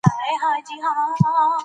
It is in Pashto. اجتماعي اړيکي هم ارزښت لري.